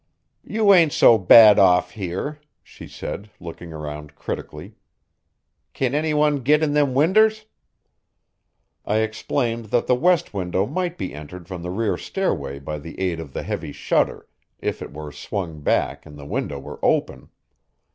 "You ain't so bad off here," she said, looking around critically. "Can any one git in them winders?" I explained that the west window might be entered from the rear stairway by the aid of the heavy shutter, if it were swung back and the window were open.